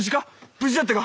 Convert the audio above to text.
無事だったか？